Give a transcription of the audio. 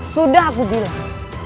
sudah aku bilang